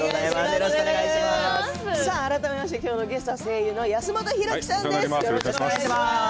改めまして、今日のゲストは声優の安元洋貴さんです。